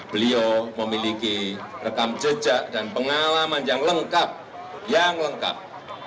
beliau memiliki rekam jejak dan pengalaman yang lengkap yang lengkap